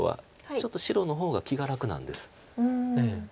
ちょっと白の方が気が楽なんです。